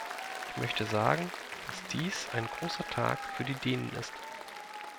Ich möchte sagen, dass dies ein großer Tag für die Dänen ist.